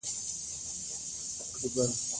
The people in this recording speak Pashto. په سختو وختونو کې یو بل سره مرسته وکړئ.